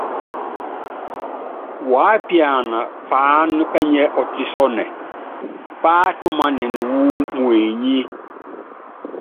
Wu ápiana paána pɛ́yí ɔ́tísɔnɛ, páátúmanini wú muenyi.